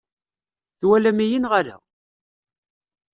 Twalam-iyi neɣ ala?